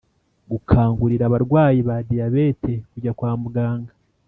Gukangurira abarwayi ba diyabete kujya kwa muganga